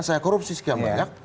saya korupsi sekian banyak